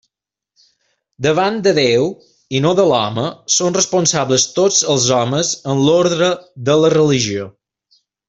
Davant de Déu, i no de l'home, són responsables tots els homes en l'ordre de la religió.